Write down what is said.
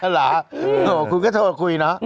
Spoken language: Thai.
เหรอโหคุณก็โทรคุยเนอะ